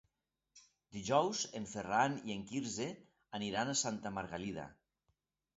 Dijous en Ferran i en Quirze aniran a Santa Margalida.